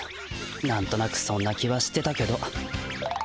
何となくそんな気はしてたけど。